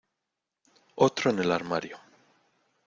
Otro en el armario.